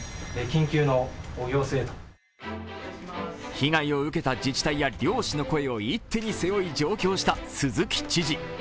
被害を受けた自治体や漁師の声を一手に背負い上京した鈴木知事。